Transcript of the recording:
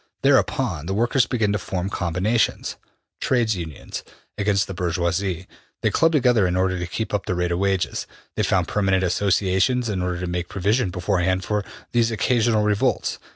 Thereupon the workers begin to form combinations (Trades Unions) against the bourgeois; they club together in order to keep up the rate of wages; they found permanent associations in order to make provision beforehand for these occasional revolts.